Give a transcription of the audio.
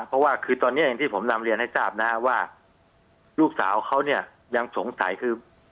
เพราะว่าคือตอนนี้อย่างที่ผมนำเรียนให้ทราบนะว่าลูกสาวเขาเนี่ยยังสงสัยคือ